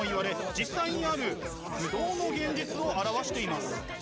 実際にある不動の現実を表しています。